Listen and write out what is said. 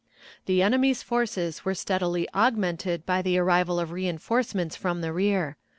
The enemy's forces were steadily augmented by the arrival of reënforcements from the rear.